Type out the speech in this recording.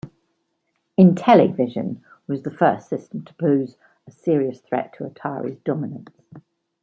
Intellivision was the first system to pose a serious threat to Atari's dominance.